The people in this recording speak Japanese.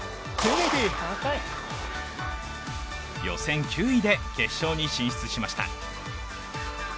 予選９位で決勝に進出しました。